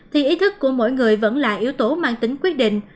thì ý thức của mỗi người vẫn là yếu tố mang tính quyết định